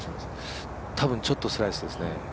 多分、ちょっとスライスですね。